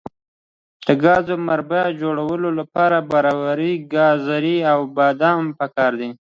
د ګازرو مربا جوړولو لپاره بوره، ګازرې او بادام پکار دي.